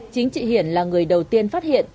chính chị hiền là người đầu tiên phát hiện